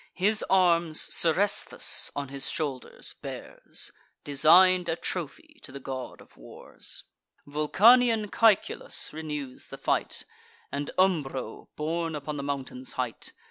His arms Seresthus on his shoulders bears, Design'd a trophy to the God of Wars. Vulcanian Caeculus renews the fight, And Umbro, born upon the mountains' height.